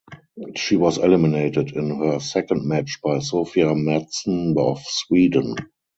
She was eliminated in her second match by Sofia Mattsson of Sweden.